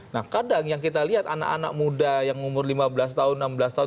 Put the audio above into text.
nah kadang yang kita lihat anak anak muda yang umur lima belas tahun enam belas tahun